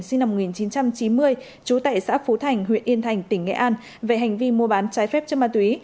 sinh năm một nghìn chín trăm chín mươi trú tại xã phú thành huyện yên thành tỉnh nghệ an về hành vi mua bán trái phép chất ma túy